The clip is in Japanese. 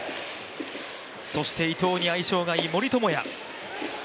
そして伊藤に相性がいい、森友哉。